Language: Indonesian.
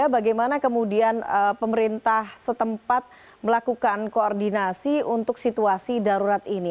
bagaimana kemudian pemerintah setempat melakukan koordinasi untuk situasi darurat ini